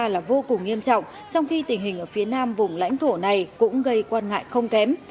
là vô cùng nghiêm trọng trong khi tình hình ở phía nam vùng lãnh thổ này cũng gây quan ngại không kém